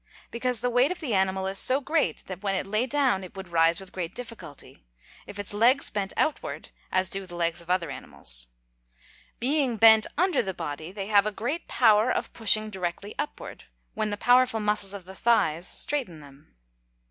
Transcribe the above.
_ Because the weight of the animal is so great, that when it lay down it would rise with great difficulty, if its legs bent outward, as do the legs of other animals. Being bent under the body, they have a greater power of pushing directly upward, when the powerful muscles of the thighs straighten them.